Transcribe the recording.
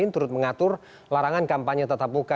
turut mengatur larangan kampanye tatap muka